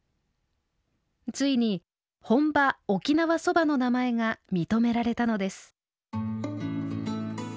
ついに「本場沖縄そば」の名前が認められたのです。